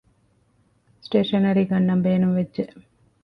ސްޓޭޝަނަރީޒް ގަންނަން ބޭނުންވެއްޖެ